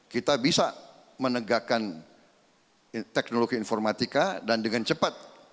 kita bisa menegakkan teknologi informatika dan dengan cepat